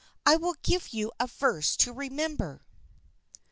I will give you a verse to remember.